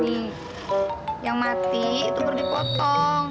nih yang mati itu perlu dipotong